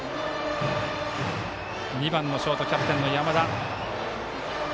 ２番のショートキャプテンの山田。